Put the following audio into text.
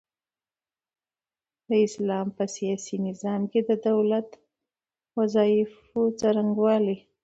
د اسلام په سياسي نظام کي د دولت د وظايفو څرنګوالي